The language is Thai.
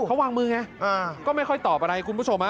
เขาวางมือไงก็ไม่ค่อยตอบอะไรคุณผู้ชม